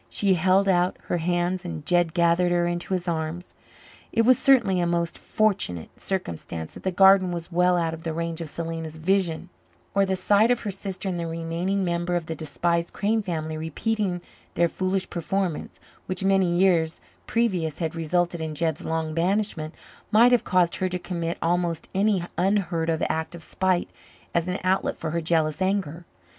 She held out her hands and Jed gathered her into his arms. It was certainly a most fortunate circumstance that the garden was well out of the range of Selena's vision, or the sight of her sister and the remaining member of the despised Crane family repeating their foolish performance, which many years previous had resulted in Jed's long banishment, might have caused her to commit almost any unheard of act of spite as an outlet for her jealous anger.